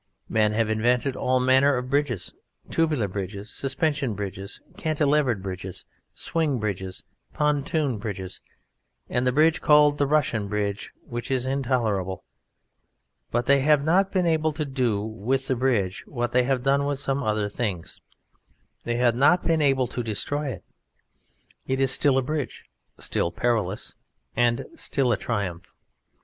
Men have invented all manner of bridges: tubular bridges, suspension bridges, cantilever bridges, swing bridges, pontoon bridges, and the bridge called the Russian Bridge, which is intolerable; but they have not been able to do with the bridge what they have done with some other things: they have not been able to destroy it; it is still a bridge, still perilous, and still a triumph.